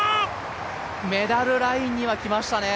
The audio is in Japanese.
メダルラインには来ましたね。